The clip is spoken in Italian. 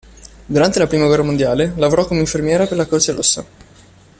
Durante la I Guerra Mondiale, lavorò come infermiera per la croce rossa.